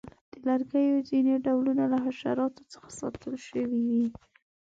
د لرګیو ځینې ډولونه له حشراتو څخه ساتل شوي وي.